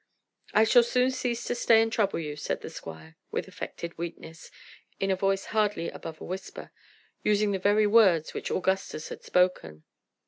"I shall soon cease to stay and trouble you," said the squire, with affected weakness, in a voice hardly above a whisper, using the very words which Augustus had spoken.